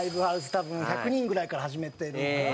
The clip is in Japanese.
多分１００人ぐらいから始めてるんかな？